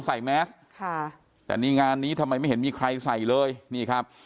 แมสค่ะแต่นี่งานนี้ทำไมไม่เห็นมีใครใส่เลยนี่ครับ